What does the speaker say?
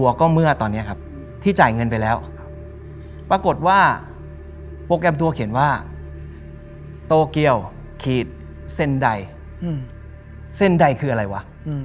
เซ็นไดคืออะไรวะ